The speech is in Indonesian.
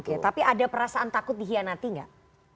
oke tapi ada perasaan takut dihianati nggak